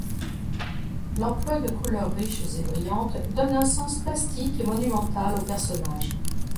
L'emploi de couleurs riches et brillantes, donnent un sens plastique et monumental aux personnages.